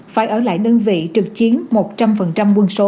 phải ở lại đơn vị trực chiến một trăm linh quân số